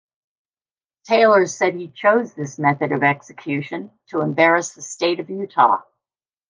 Taylor said he chose this method of execution to embarrass the state of Utah.